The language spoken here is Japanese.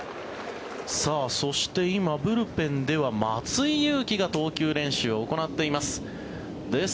そして今、ブルペンでは松井裕樹が投球練習を行っています。